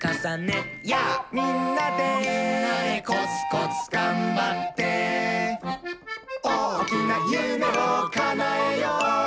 みんなでーみんなでーコツコツがんばっておおきなゆめをかなえよう！